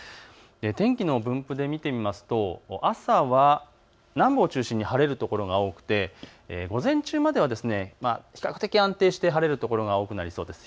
天気の分布で見てみると朝は、南部を中心に晴れる所が多くて午前中までは比較的安定して晴れる所が多くなりそうです。